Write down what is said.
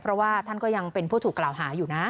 เพราะว่าท่านก็ยังเป็นผู้ถูกกล่าวหาอยู่นะ